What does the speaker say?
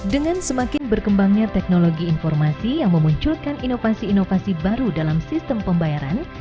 dengan semakin berkembangnya teknologi informasi yang memunculkan inovasi inovasi baru dalam sistem pembayaran